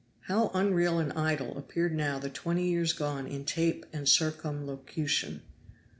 How unreal and idle appeared now the twenty years gone in tape and circumlocution!